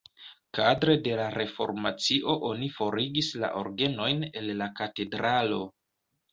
Kadre de la reformacio oni forigis la orgenojn el la katedralo.